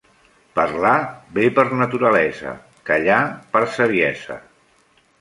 Parlar ve per naturalesa, callar per saviesa.